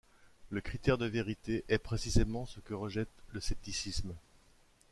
Le critère de vérité est précisément ce que rejette le scepticisme.